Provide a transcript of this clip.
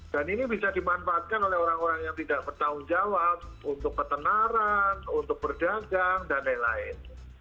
dan ini bisa dimanfaatkan oleh orang orang yang tidak bertanggung jawab untuk petenaran untuk berdagang dan lain lain